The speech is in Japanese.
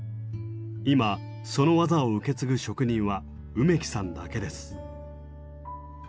今その技を受け継ぐ職人は梅木さんだけです。